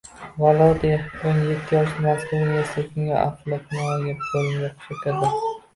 Volodya o'n yetti yoshida Moskva universitetining oftalmologiya bo‘limiga o‘qishga kirdi